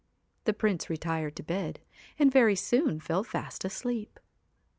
The Prince retired to bed, and very soon fell fast asleep.